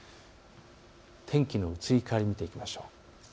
天気の移り変わり見ていきましょう。